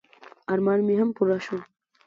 ارمان مې هم پوره شو.